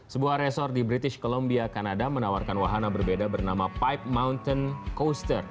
sebuah resort di british columbia kanada menawarkan wahana berbeda bernama pipe mountain coaster